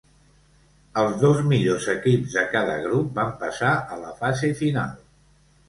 Els dos millors equips de cada grup van passar a la fase final.